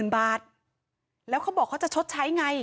บาทแล้วเขาบอกเขาจะชดใช้ไง